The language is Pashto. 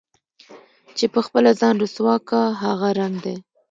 چې په خپله ځان رسوا كا هغه رنګ دے